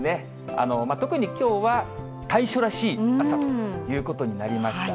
特にきょうは大暑らしい暑さということになりました。